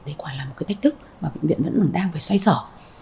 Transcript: đấy quả là một cái thách thức mà bệnh viện vẫn đang phải xoay sở